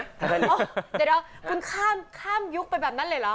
เดี๋ยวคุณข้ามยุคไปแบบนั้นเลยเหรอ